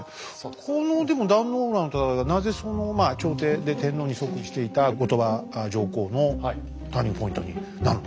このでも壇の浦の戦いがなぜそのまあ朝廷で天皇に即位していた後鳥羽上皇のターニングポイントになるの？